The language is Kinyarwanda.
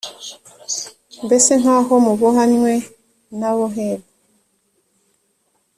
mbese nk aho mubohanywe na bo heb